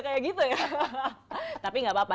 kayak gitu ya tapi gak apa apa